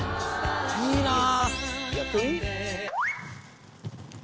いいなぁ。